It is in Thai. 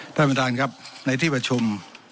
ท่านประธานครับในที่ประชุม